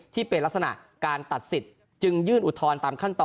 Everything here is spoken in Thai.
ที่เป็นลักษณะการตัดสิทธิ์จึงยื่นอุทธรณ์ตามขั้นตอน